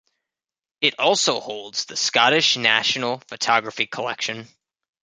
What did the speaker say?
It also holds the Scottish National Photography Collection.